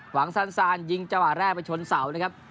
ซานซานยิงจังหวะแรกไปชนเสานะครับ